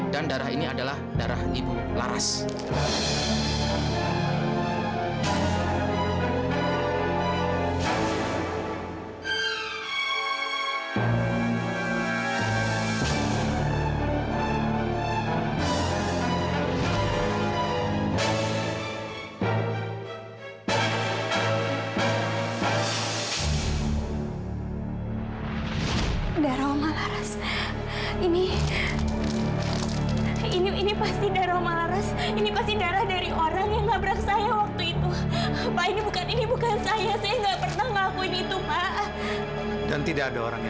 dan darah ini adalah darah ibu kularas